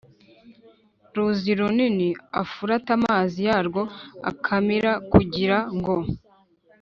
Ruzi runini ufurate amazi yarwo akamira kugira ngo